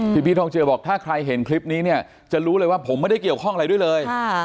พี่พีชทองเจือบอกถ้าใครเห็นคลิปนี้เนี่ยจะรู้เลยว่าผมไม่ได้เกี่ยวข้องอะไรด้วยเลย